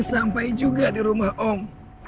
sampai juga di rumah om